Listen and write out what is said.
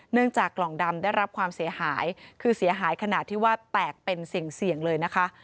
จากกล่องดำได้รับความเสียหายคือเสียหายขนาดที่ว่าแตกเป็นเสี่ยงเลยนะคะ